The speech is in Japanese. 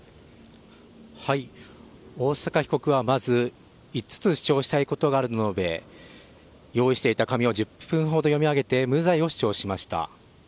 大坂被告はまず、５つ主張したいことがあると述べ、用意していた紙を１０分ほど読み上げ、無罪を主張しました。